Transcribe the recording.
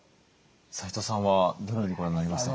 齋藤さんはどのようにご覧になりましたか？